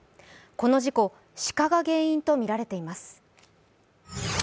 この事故、鹿が原因とみられています。